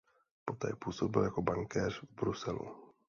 Poté působil jako bankéř v Bruselu.